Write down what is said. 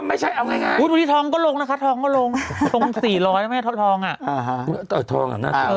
ไม่ใช่อันนี้ทองก็ลงนะคะลง๔๐๐น่ะ้อนไหมทอง